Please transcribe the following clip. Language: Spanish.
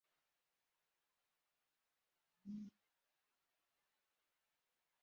El lugar alberga una de las zonas industriales más grandes de la isla.